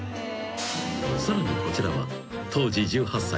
［さらにこちらは当時１８歳］